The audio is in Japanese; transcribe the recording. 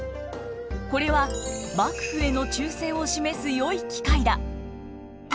これは幕府への忠誠を示すよい機会だ。